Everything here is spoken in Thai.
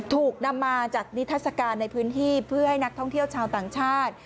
ถูกนำมาจัดนิทัศกาลในพื้นที่เพื่อให้นักท่องเที่ยวชาวต่างชาติ